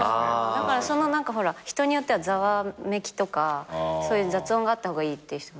だから人によってはざわめきとかそういう雑音があった方がいいっていう人もいるじゃない。